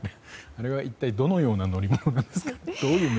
あれは一体どのようなノリなんですか？